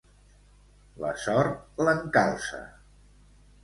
La sort l'encalça.